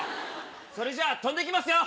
それじゃあ飛んで行きますよ。